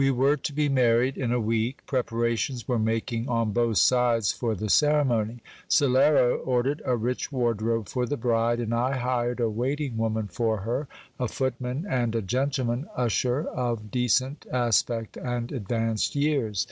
We were to be married in a week. Preparations were making on both sides for the ceremony. Salero ordered a rich wardrobe for the bride, and I hired a waiting woman for her, a footman, and a geutleman usher of decent aspect and advanced years.